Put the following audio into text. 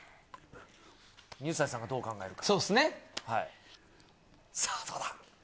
水谷さんがどう考えるか。